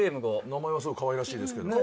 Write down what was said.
名前はすごい可愛らしいですけどね。